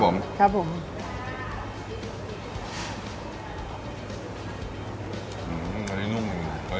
หอมกลิ่นเนื้อ